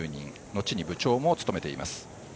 後に部長も務めています。